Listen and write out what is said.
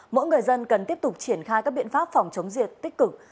mỗi người dân cần tiếp tục triển khai các biện pháp phòng chống dịch tích cực